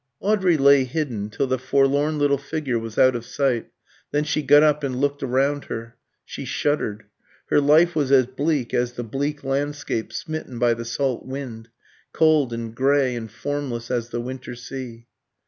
Audrey lay hidden till the forlorn little figure was out of sight; then she got up and looked around her. She shuddered. Her life was as bleak as the bleak landscape smitten by the salt wind cold and grey and formless as the winter sea.